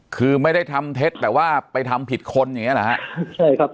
คือไม่ได้ทำเท็จแต่ว่าไปทำผิดคนอย่างเงี้เหรอฮะใช่ครับ